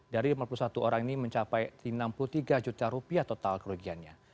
dari lima puluh satu orang ini mencapai enam puluh tiga juta rupiah total kerugiannya